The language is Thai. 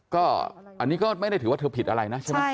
ก็อันนี้ก็ไม่ได้ถือว่าเธอผิดอะไรนะใช่ไหม